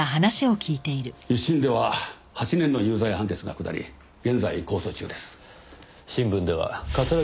一審では８年の有罪判決が下り現在控訴中です。